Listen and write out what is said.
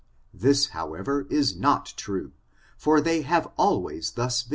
This, however, is not true ; for they have been always thus.